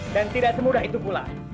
tidak semudah itu pula